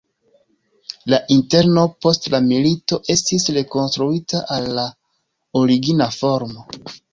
La interno post la milito estis rekonstruita al la origina formo.